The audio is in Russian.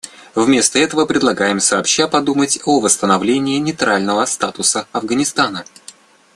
Вместо этого, предлагаем сообща подумать о восстановлении нейтрального статуса Афганистана.